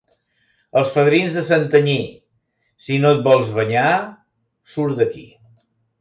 Els fadrins de Santanyí: si no et vols banyar, surt d'aquí.